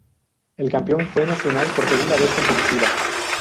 El campeón fue Nacional por segunda vez consecutiva.